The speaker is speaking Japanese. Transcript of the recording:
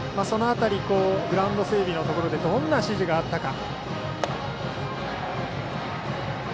その辺りグラウンド整備のところでどんな指示があったか。